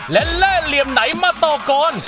และแล่เหลี่ยมไหนมาต่อก่อน